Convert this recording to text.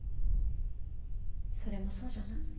それもそうじゃな。